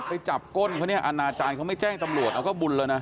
ไอ้จับก้นเขานาจารย์เขาไม่แจ้งตำรวจเอาก็บุญเลยนะ